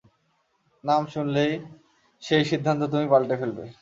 নাম শুনলেই সেই সিদ্ধান্ত তুমি পাল্টে ফেলবে।